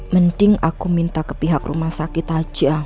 mending aku minta ke pihak rumah sakit aja